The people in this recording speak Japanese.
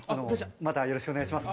またよろしくお願いします。